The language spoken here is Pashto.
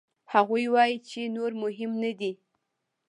هغوی وايي چې نور مهم نه دي.